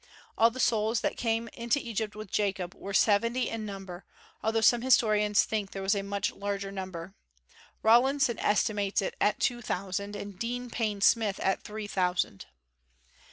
All the souls that came into Egypt with Jacob were seventy in number, although some historians think there was a much larger number. Rawlinson estimates it at two thousand, and Dean Payne Smith at three thousand.